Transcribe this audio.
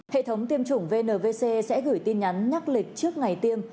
hệ thống tiêm chủng vnvc sẽ gửi tin nhắn nhắc lịch trước ngày tiêm